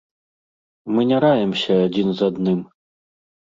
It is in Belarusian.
Мы не раімся адзін з адным.